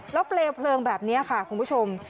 แล้วเปลวเพลิงแบบนี้ค่ะคุณผู้ชม